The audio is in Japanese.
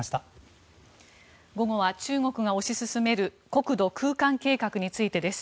午後は中国が推し進める国土空間計画についてです。